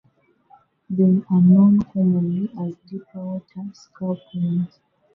They are known commonly as the deep-water sculpins.